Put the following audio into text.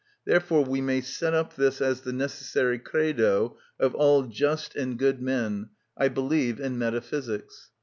Therefore we may set up this as the necessary Credo of all just and good men: "I believe in metaphysics."